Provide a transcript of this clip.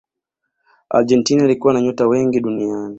argentina ilikuwa na nyota wengi duniani